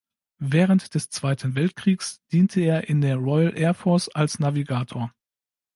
Während des Zweiten Weltkriegs diente er in der Royal Air Force als Navigator.